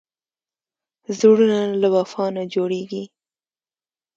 زړونه له وفا نه جوړېږي.